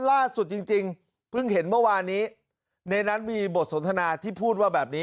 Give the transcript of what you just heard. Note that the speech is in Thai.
จริงจริงเพิ่งเห็นเมื่อวานนี้ในนั้นมีบทสนทนาที่พูดว่าแบบนี้